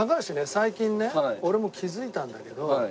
最近ね俺も気付いたんだけど。